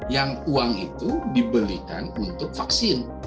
yang uang itu dibelikan untuk vaksin